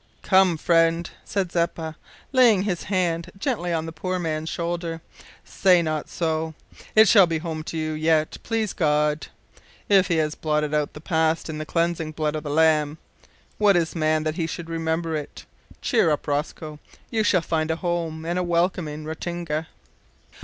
"Come, friend," said Zeppa, laying his hand gently on the poor man's shoulder, "say not so. It shall be home to you yet, please God. If He has blotted out the past in the cleansing blood of the Lamb, what is man that he should remember it? Cheer up, Rosco, you shall find a home and a welcome in Ratinga."